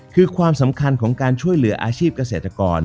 คือความสำคัญของการช่วยเหลืออาชีพเกษตรกร